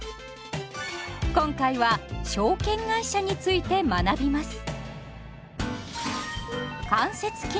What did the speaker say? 今回は「証券会社」について学びます。